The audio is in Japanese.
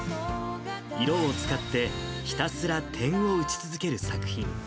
色を使ってひたすら点を打ち続ける作品。